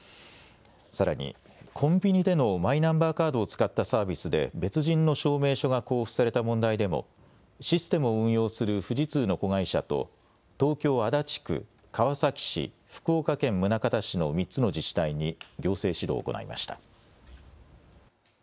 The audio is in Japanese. さらにコンビニでのマイナンバーカードを使ったサービスで別人の証明書が交付された問題でもシステムを運用する富士通の子会社と東京足立区、川崎市、福岡県宗像市の３つの自治体に行政指導を行いました。